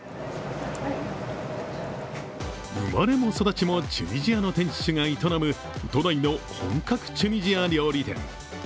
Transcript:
生まれも育ちもチュニジアの店主が営む都内の本格チュニジア料理店。